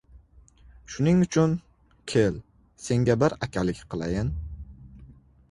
Shuning uchun, kel, senga bir akalik qilayin.